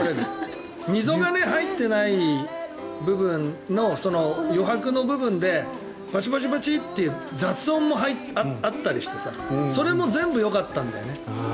溝が入ってない部分の余白の部分でパチパチパチって雑音もあったりしてさそれも全部よかったんだよね。